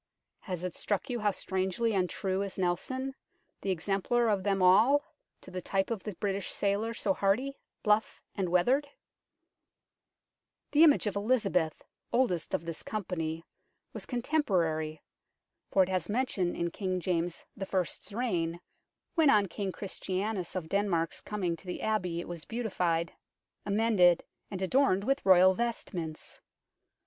Has it struck you how strangely untrue is Nelson, the exemplar of them all, to the type of the British sailor, so hearty, bluff, and weathered ? The image of Elizabeth, oldest of this company, was contemporary, for it has mention in King James I.'s reign, when on King Christianus of Denmark coming to the Abbey it was beautified, amended, and adorned with Royal vestments.